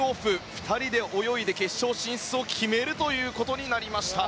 ２人で泳いで決勝進出を決めるということになりました。